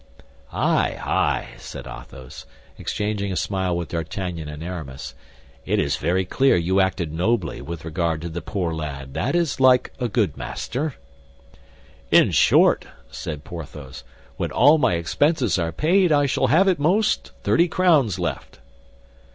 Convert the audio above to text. "Ay, ay!" said Athos, exchanging a smile with D'Artagnan and Aramis, "it is very clear you acted nobly with regard to the poor lad; that is like a good master." "In short," said Porthos, "when all my expenses are paid, I shall have, at most, thirty crowns left."